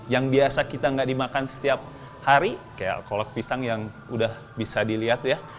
yang biasa kita nggak dimakan setiap hari kayak kolak pisang yang udah bisa dilihat ya